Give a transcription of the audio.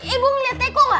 ibu ngeliat tegok gak